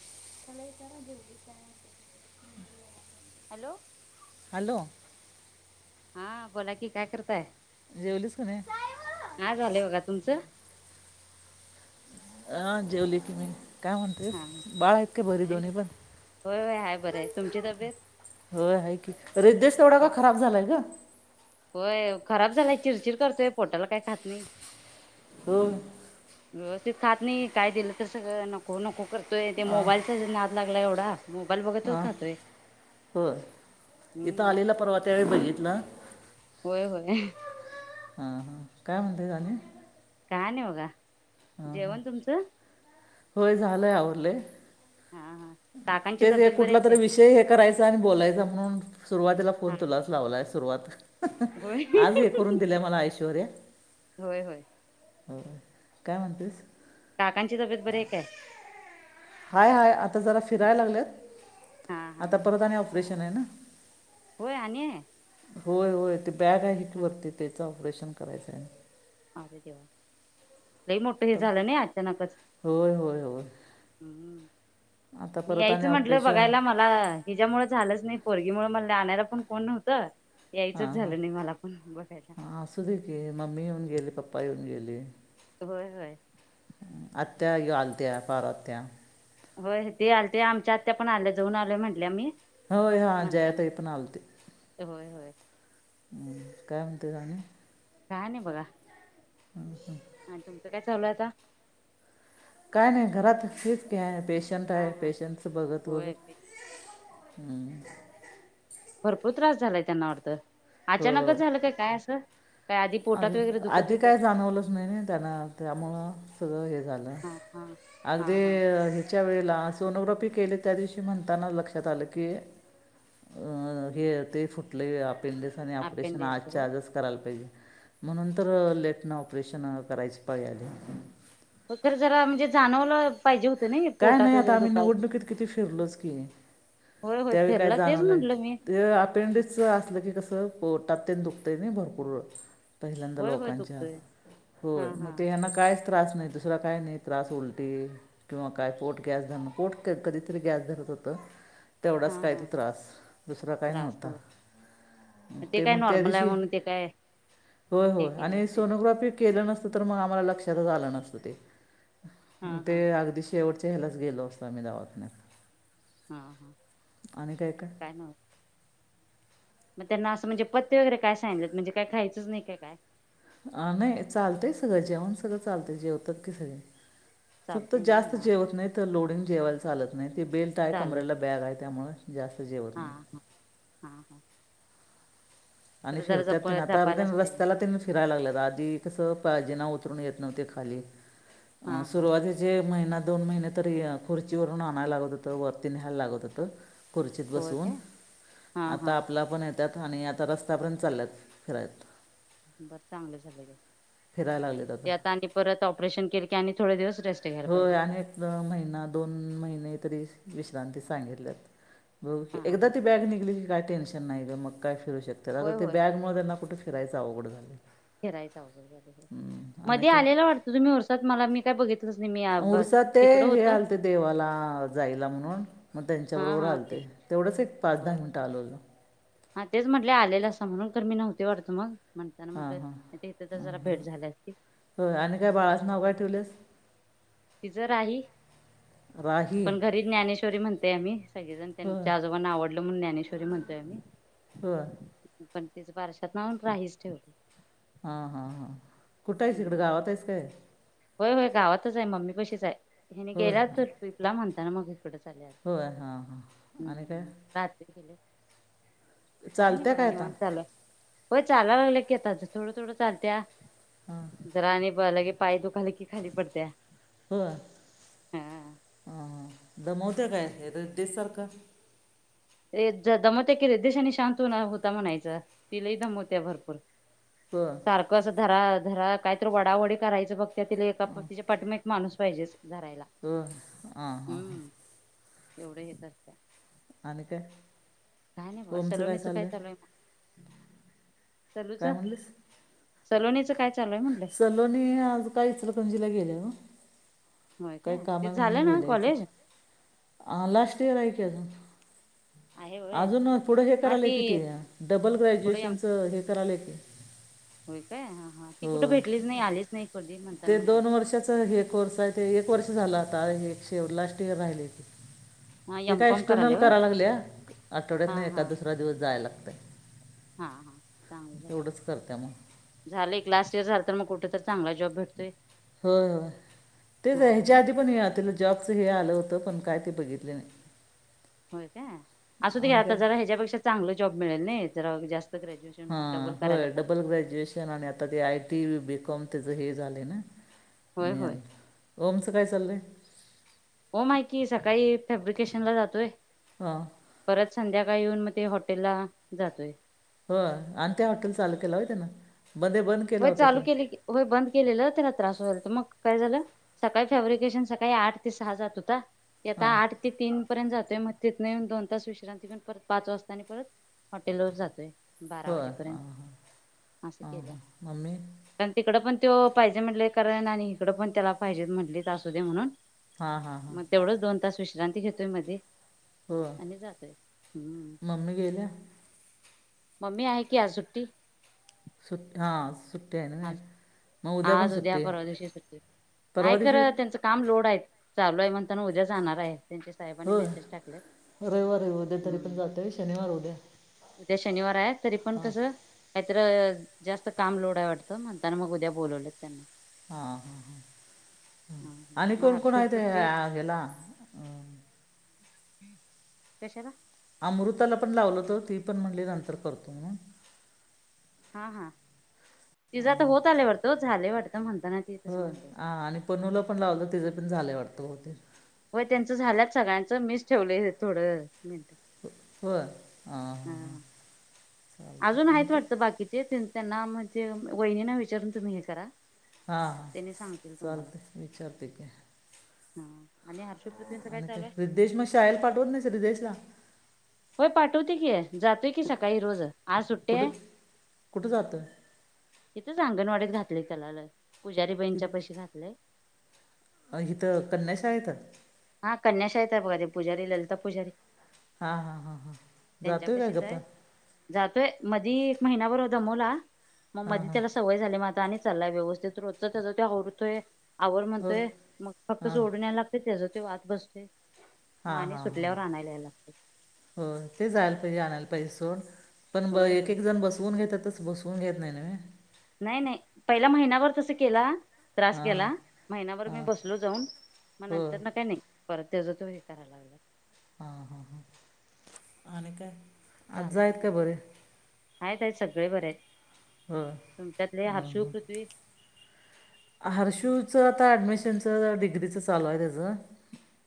त्याला विचारा जेवलीस काय? Hello hello. हा बोला की काय करताय जेवलीस का नाही हा झाले बघा तुमचं. हं जेवली क मी काय म्हणतेस हा हा बाळा इतके बरी काय दोन्ही नाही. पण होय होय हाय बरं आहे तुमची तब्येत होय आहे की रिदेश तेवढा का खराब झालाय का? होय खराब झालाय चिरचिर करतोय पोटाला काय खात नाही. हो. व्यवस्थित खात नाही काय दिलं तर सगळं नको नको करतोय ते मोबाईलचा नाद लागला एवढा. मोबाईल हा बघतच खातोय हो इथं हम्म आलेला परवा त्यावेेळी बघितलं. होय होय. हा हा काय म्हणतेय तणी काय नाही बघा. हा हा जेवण तुमचं होय झालंय आवडलंय. ताट. तेच कुठला तरी विषय हे करायचा आणि बोलायचा म्हणून सुरुवातीला फोन हा तुलाच लावलाय. सुरवात होय आज हे करून दि मला ऐश्वर्या होय होय हो काय म्हणतेस काकांची तब्येत बरी काय? हाय हाय आता जरा फिरायला हा लागलेत हा आता परत आणि ऑपरेशन आहे ना. होय आणि होय होय ते बॅग आहे की हा वरती त्याच ऑपरेशन करायचं आहे. अरे देवा लई मोठं हे तर झालं नाही अचानकच होय होय होय हम्म. आता मी परत आणि यायचं म्हटलं ऑपरेशन बघायला मला हिच्यामुळे झालंच नाही पोरी मुळ मला आणायला पण कोण नव्हतं. हा यायचंच झालं नाही मला पण बघायला हाा असू दे की मम्मी येऊन गेले पप्पा येऊन गेले. होय होय. आत्या यो आलत्या पारू आत्या होय ते आल ते आमच्या आत्या पण आल्या जाऊन आलो म्हटले आम्ही होय हा जया ताई पण आलते. होय होय. हम्म काय म्हणते आणि काय नाही बघा. हम् हम. आणि तुमचं काय चालू आता काय नाही घरात हेच कि पेशंट हा आहे हा पेशंटच बघत बघत. होय. हम्. भरपूर त्रास झालाय त्यांना वाटतं अचानकच झालं काय काय असं. काय आधी आ पोटात वगैरे दुखत आधी होतं काय जाणवलंच नाही ना त्यांना त्यामुळं सगळं हे झालं. हा हा. हा अगदी हा ह्याच्या वेळेला सोनोग्राफी केली त्या दिवशी म्हणताना लक्षात आलं की अं हे ते फुटले आपेडेस आणि ऑपरेशन अपेंडिक्स हो आजच्या आजच करायला पाहिजे. म्हणून तर लेटन ऑपरेशन करायचे पाळी आले. हो तर जरा म्हणजे जाणवलं पाहिजे होत. काय नाही आता आम्ही निवडणुकीत किती फिरलोच की होय होय त्यावेळी काय फिरला तेच जाणलंय म्हटलं मी ते अपेंडिकसच असलं की कसं. पोटातेन दुखतय नाय भरपूर पहिल्यांदा होय होय लोकांच्या दुखतोय हा होय मग हा ते ह्यांना कायच त्रास नाही दुसरा काय नाही त्रास उलटी किंवा काय पोट गॅस धरणं पोट कधीतरी गॅस धरत होतं. हा तेवढाच काय ते हा त्रास दुसरा काय त्रास नव्हता. हो ते काय मग त्या नॉर्मल आहे दिवशी म्हणून ते काय होय हो हे केले आणि असते सोनोग्राफी केलं नसत. तर मग आम्हला लक्षातच आलं नसतं ते हा ते हा अगदीच शेवटच्या ह्यालाच गेलो असतो आम्ही दवाखान्यात हम हम काय नव्हत मग त्यांना असं म्हणजे पथ्थे वगैरे काय सांगितलेत म्हणजे काय खायचंच नाही का काय आ नाही चालतय सगळं जेवण सगळं चालतय जेवतात की सगळे फक्त चालते ना जास्त हा जेवत नाही तर लोडिंग जेवायला चालत नाही ते बेल्ट आहे चालत कमरेला बॅग आहे त्यामुळे हा हम् हम् हम् आणि फिरतात त्यां आता जपायलाच पाहिजे रस्त्याला फिरायला लागल्यात आधी कसं पार जिना उत उतरून येत नव्हते खाली हा हा सुरवातीचे महिना दोन महिने तरी खुर्ची वरून आणायला लागत होतं वरती न्यायला लागत होत खुर्चीत होय बसून काय हा आता हा आपला आपण येतात आणि आता रस्ता रस्तापर्यंत चालेलत फिरायाला बर चांगले झाले फिरायला लागलेत ते आता आणि परत ऑपरेशन केले की आणि थोडे दिवस रेस्ट घ्यायला होय पाहिजे आणि एक महिना दोन महिने तरी विश्रांती सांगितल्यात बघु की हा एकदा हा ती बॅग निघली की काय टेन्शन नाही ग मग काय फिरू शकतेत आता होय ते होय बॅगमुळे त्यांना कुठे फिरायचं अवघड झालं फिरायच आवघड झालं आहे हम्म, आणि मध्ये काय आलेला वाटतं तुम्ही ऊरसात मला मी काय बघित उरसात ते हे आलते देवाला जायला म्हणून मग हा त्यांच्याबरोबर हा ते रालते तेवढंच एक पाच होय दहा होय. मिनटं आलंो होलं हा तेच म्हटले आलेलं असं म्हणून तर मी नव्हती वाटतं मग म्हणताना हां म्हटलं हां इथे तर हां जरा हां भेट झाली असती होय आणि काय बाळाचं नाव काय ठेवलेस ति ज राही राही पण घरी ज्ञानेश्वरी म्हणते आम्ही सगळे जण होय त्यांच्या आजोबांना आवडत म्हटलं मून ज्ञानेश्ी म्हणतोय मी हम पण तिच पारशात ना राहीच ठेवली हा हा हा कुठे आहेस इकडं गावात आहेस काय होय होय गावातच आहे मम्मी कशीच आहे ह होय गेलाच हां पिपला म्हणता ना मग इकडंच होय हां हां आणि काय हम्म रात्री केले काय नाही चालत्या बघा आता निवन चालूय होय चालायला लागलं कीताचं थोडं थोडं चालत हां जरा आणि पला की पाय दुखाला की खाली पडते ह हम दमवत्या काय हे र तेच सारखं रे ज दमवत्या क र देशाने शांत होता म्हणायचा तिलाही दमवत्या भरपूर होय सारखं असं धरा धरा कायतरी वडावडी करायचं बघ त्यातीलिला एका तिच्या पाठीमा एक माणूस पाहिजे रायला होय हां हां हां हम्म एवढे हे करत आणि काय होमचं काय सलोनीचं चाललंय चालू आहे मग? सलूच सलोणीचं काय चालू आहे म्हटलं सलोनी आज काय इचलतणजीला गेल्या ना होय काही काय ते कामा म्हणून झालं ना गेल्यायच कॉलेज? अ लास्ट इयर आहे की अजून आहे होय अजून पुढं हे हा करालय ती कि ते डबल ग्रॅज्युएशनचं हे करालय हो हो कधी म्हणताना ते म्हटलं दोन वर्षाचा हे कोर्स आहे ते वर्ष झाला होता एकशे लास्ट इर राहिले हो हा ती एम काय कॉम एक्सटर्नल करायला होय करा लागली या आठवड्यात हा नाही एका हा दुसरा दिवस जाय लागतय हा हा चांगलं झालं मग झाले लास्ट इयर झालं तर मग कुठेरी चांगला जॉब भेतोय हो हो तेच ह्याच्या आधी पण ति जॉबच हे आलं होत त पण काय त बघितली नाही होय काय असू घ आणि आता काय जरा ह्याच्यापेक्षा चांगलं जॉब मिळेल नाही ज जास्त हा ग्रॅज्युएशन डबल हो करायला डबल ग्रॅज्युएशन आणि आता ते आयटी बीकॉम त्याच हे झाले ना होय होय मिळालं ओमच काय चाललंय ओम आहे की सकाळी फॅब्रिकेशन ला जातोय हां परत संध्याकाळ स येऊन मग ते हॉटेल ला जातोय हो आणि त्या हॉटेल चालू केलं हो त्यान होय चालू केले होय बंद केलेलं त्याला त्रास व्हायल तर मग काय झालं सकाळी फॅब्रिकेशन सकाळी आठ ते सहा जात होता आता हां आठ ते तीन पर्यंत जातोय मग तिथ नाही दोन तास विश्रांती पण परत पाच वाजता आणि परत हॉटेल वर जातोय बारा होय हां हां वाजेपर्यंत असं हां केल्या हां मम्मी कारण तिकड पण तो पाहिजे म्हटले कारण आणि इकड पण त्याला पाहिजे म्हटले असू दे म्हणून हां हां हां मग तेवढंच दोन तास विश्रांती घेतोय मध्ये हो आणि जातोय हम्म मम्मी गेल्या मम्मी आहे की आज सुट्टी सुट्टी हा सुट्टी आहे नई आज आज उद्या परवा दिवशी सुट्टी आहे परवा दिवशी खरं त्यांचं काम लोड आहेत चालू आहे म्हणताना उद्या जाणार आहे त्यांच्या साहेबांनी होय मेसेज टाकलेत रविवार उद्या तरी पण हम्म जाते शनिवार उद्या उद्या शनिवार आहेत तरी पण हां कसं काहीत जास्त काम लोड आहे वाटतं म्हणताना मग उद्या बोलवलं त्यांना हा, हा, हा आणि मग कोण, कोण हर्षू आहेत ते पृथ्वी ह्याला हम् कशाला अमृताला पण लावलं तर ती पण म्हणली नंतर करतो हा, हा तिझं तर होत आल्या वाटतं झाले वाटतं म्हणत हो ह आणि पनुलं पण लावलं तिचे पण झाले वाटतं होते हो त्यांच झाल्यात सगळ्यांच मिस ठेवलंय थोडं मिनट होय हां हां हम्म अजून चालतं आणि आहेत काय वाटतं बाकीचे त्यांना म्हणजे वहिनीना विचारून तुम्ही हे करा हा, हा त्यांनी सांगतील तुम्हाला चालतंय विचारतेकी हा आणि हर्ष पृथ्वींचं आणि चालू काय आहे हिद्देश मग शाळेल पाठवत नाही हिद्देशला होय पाठवते की जातोय की सकाळी रोज आज सुट्टी य कुठं कुठं जातं हेथ अंगणवाडीत घातले त्याला ल पुजारी ति बाईंच्या च्या पैशी घातलेय अ इथं कन्या शाळेत हा कन्या शाळेत बघत पूजारी ललीता पूजारी हां हां हां हां त्यांच्या जातो काय पशीच गप्पा आहे जातोय मधी एक महिनाभर दमवला मग हां मधी हां त्याला सवय झाली म आणि चालाय व्यवस्थित रोज त्याचा ते हरतोय आवर हो म्हणतोय मग फक्त हां सोडूनयलागते त्याचा ते आत बसतोय हा, मग आणि हा, हा सुटल्यावर आणायला यायला लागतंय. हो ते जायला पाहिजे आणायला पाहिजे सोड पण ब होय एक, होय. एक जण बसवून घेतातच बसवून घेत नाही नव्हे नाही नाही पहिल्या महिन्यावर तस केला त्रास हां केला हां महिनाभर मी हां बसलो जाऊन मग हो नंतर न काय नाही परत त्याच तू हे कराय लागला हा, हा ह आणि काय आज्जा हायत चालतंय मग काय बरे आहेत, आहेत सगळे बरे आहेत हो तुमच्यातले हर्षु पृथ्वी हर्षूच आता ऍडमिशनच डिग्रीच चालू आहे त्याच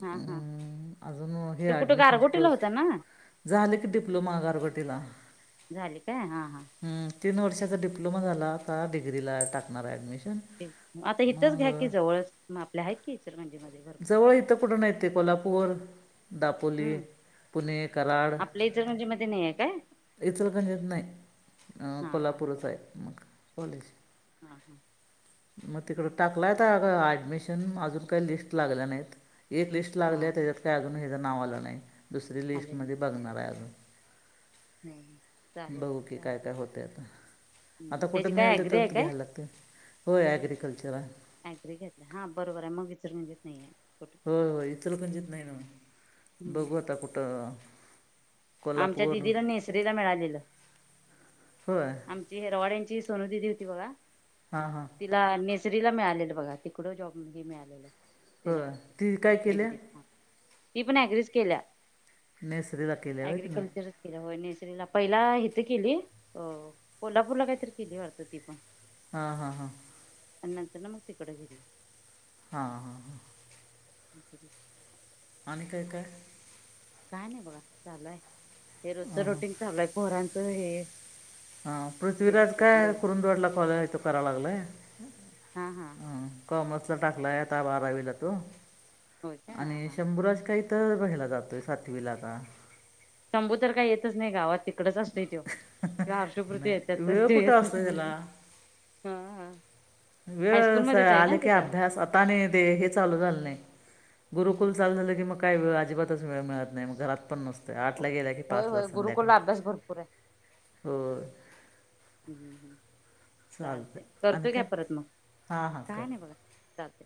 हा ह अजून हे ॲडमिशनचे प्रोसेस झाले की डिप्लोमा गारगोटीला झाली काय हा. हा. हम तीन वर्षाचा डिप्लोमा झाला का डग्रीला टाकणार ऍडमिशन आता इथच घ्या की जवळच आपल्या आहेत कीचर म्हणजे. जवळ इथं कुठून येते कोल्हापूर दापोली, हम्म पुणे, कराड. आपल्या इचलकरंजी मध्ये नाही आहे काय [unintelligible] इथ नाही. हा हा कोल्हापूरच बर आहेत म कॉलेज. हा हा मग तिकड टाकलाय ॲडमिशन अजून काही लिस्ट लागल्या नाहीत. एक लिस्ट लागली हा आहे हा त्याच्यात काय अजून हचं नाव आलं नाही दुसरी चालेल लिस्टमध्येध्ये बघणार आहे अजून चालेल चालेल बऊ की काय चालते. काय होते आता. आता कुठे त्याची काय मिळेल ते ॲग्री तर आहे काय घ्यायला लागते होय ग्रिकल्चर आहे. अग्री घेतला हा बरोबर आहे मग विचरून घेत नाहीये हो हो इथल कणचित नाही ना बघू हम्म आता कुठं आमच्या कोल्हापूर दिदीला नेसरीला मिळालेलं होय आमची हिरवाड्यांची सोनू दिदी होती बघा हां हां तिला नेसरीला मिळालेलं बघा तिकड जॉब हे मिळालेलं. हो तिला ती काय केल्या डिग्री ती पण अग्रिच केल्या. मेस एग्रीकल्चर केल वनी पहिला हथे केली अ कोल्हापूरला काहीतरी केली वाटत ती तीण हा हा हा. नंतर न मग तिकडे गेली हा हा हा. [unintelligible] आणि काय काय? काय नाही बघा चालूय हे रोजच हां रोटींग चालूय पोरांचं हे हा हे पृथ्वीराज काय दिवस कुरुंदवाडला काय ते करायला लागलाय. हा हा कॉमर्सचा टाकलाय आता बारावीला तो होय काय हा आणि हा शंभुराज काही तर राहिला जातोय सातवीला का शंभू तर काही येतच नाही गावात. तिकडच असतो हाऊस पुरतं नाही येतच वेळ त कुठं येतच असतो नाही. त्याला हा हा. वेळ हायस्कूलमध्येच आहे आले ना की तिथं अभ्यास आता नाही दे हे चालू झालं नाही गुरुकुल चालु झाले की मग काय वेळ अजिबातच वेळ मिळत नाही घरात पण नसते आठ ला गेला की होय पाचला होय संध्याकाळी गुरुकुलला अभ्यास भरपूर आहे हो. हम्म हम्म चालते चालतं आणि करतोय घ्या काय परत मग हां हां काय कर नाही बघा. चालते.